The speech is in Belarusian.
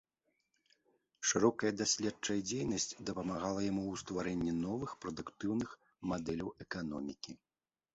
Шырокая даследчая дзейнасць дапамагала яму ў стварэнні новых, прадуктыўных мадэляў эканомікі.